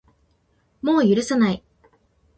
もう許さない